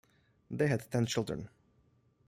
They had ten children.